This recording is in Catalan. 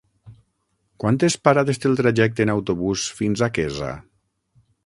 Quantes parades té el trajecte en autobús fins a Quesa?